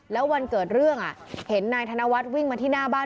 แล้ววันเกิดเรื่องเห็นนายธนวัฒน์วิ่งมาที่หน้าบ้าน